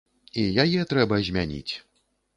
І яе трэба змяніць!